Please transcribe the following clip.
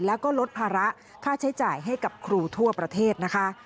แล้วก็ลดภาระค่าใช้จ่ายให้กับครูทั่วประเทศนะคะ